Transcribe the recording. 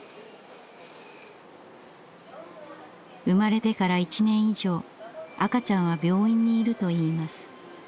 生まれてから１年以上赤ちゃんは病院にいるといいます。